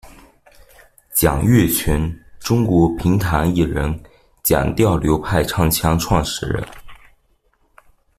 蒋月泉，中国评弹艺人，蒋调流派唱腔创始人。